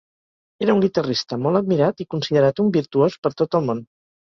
Era un guitarrista molt admirat i considerat un virtuós per tot el món.